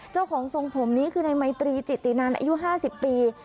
เจ้าของทรงผมนี้คือในไมตรีจิตินันอายุ๕๐ปี